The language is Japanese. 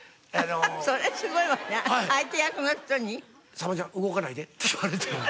「さんまちゃん動かないで」って言われて。